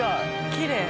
きれい。